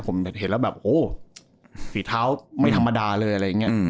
ผมเห็นแล้วแบบโอ้ฝีเท้าไม่ธรรมดาเลยอะไรอย่างนี้